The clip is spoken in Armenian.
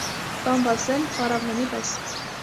բամբասել, պառավների պես: